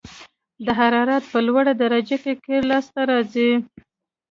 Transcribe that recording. د حرارت په لوړه درجه کې قیر لاسته راځي